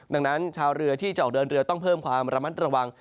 ดังนั้นชาวเรือที่จะออกเดินเรือต้องเพิ่มความระมัดระวัง